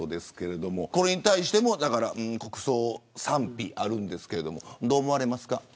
これに対しても国葬に賛否があるんですけれどどう思われますか。